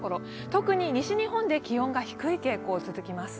特に西日本で気温が低い傾向続きます。